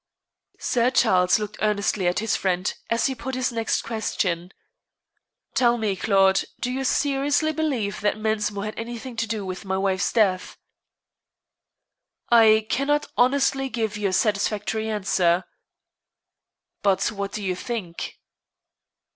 Sir Charles looked earnestly at his friend as he put his next question: "Tell me, Claude, do you seriously believe that Mensmore had anything to do with my wife's death?" "I cannot honestly give you a satisfactory answer." "But what do you think?"